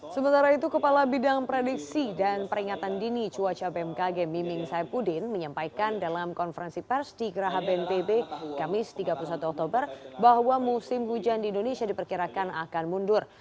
sementara itu kepala bidang prediksi dan peringatan dini cuaca bmkg miming saipudin menyampaikan dalam konferensi pers di geraha bnpb kamis tiga puluh satu oktober bahwa musim hujan di indonesia diperkirakan akan mundur